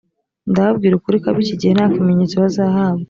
ndababwira ukuri ko ab iki gihe nta kimenyetso bazahabwa